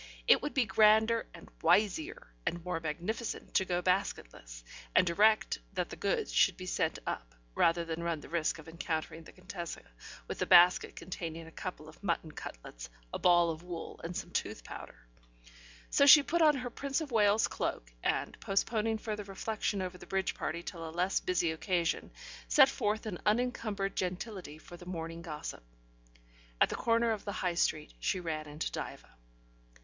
It would be grander and Wysier and more magnificent to go basketless, and direct that the goods should be sent up, rather than run the risk of encountering the Contessa with a basket containing a couple of mutton cutlets, a ball of wool and some tooth powder. So she put on her Prince of Wales's cloak, and, postponing further reflection over the bridge party till a less busy occasion, set forth in unencumbered gentility for the morning gossip. At the corner of the High Street, she ran into Diva.